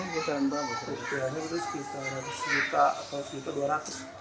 kisaran rupiahnya sekitar seratus juta atau satu juta dua ratus